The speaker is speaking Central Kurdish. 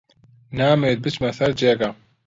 نامەوێت بچمە سەر جێگا.